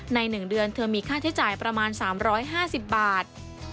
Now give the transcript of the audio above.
ใน๑เดือนเธอมีค่าใช้จ่ายประมาณ๓๕๐บาท